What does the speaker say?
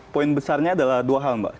poin besarnya adalah dua hal mbak